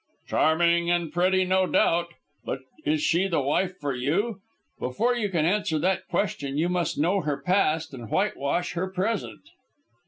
"Charming and pretty, no doubt. But is she the wife for you? Before you can answer that question, you must know her past and whitewash her present."